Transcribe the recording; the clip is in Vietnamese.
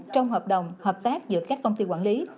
trong hợp đồng hợp tác giữa các công ty quản lý